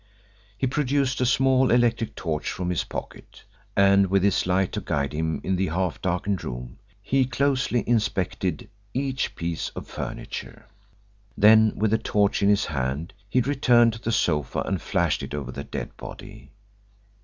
He produced a small electric torch from his pocket, and with its light to guide him in the half darkened room, he closely inspected each piece of furniture. Then, with the torch in his hand, he returned to the sofa and flashed it over the dead body.